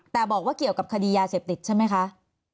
แต่บอกว่าเกี่ยวกับคดียาเสพติดใช่ไหมคะ